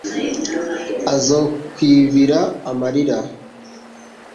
Azokwibira amarira